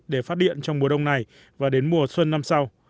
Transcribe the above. để phát điện trong mùa đông này và đến mùa xuân năm sau